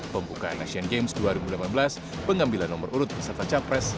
pembukaan asian games dua ribu delapan belas pengambilan nomor urut beserta capres